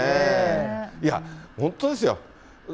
いや、本当ですよ。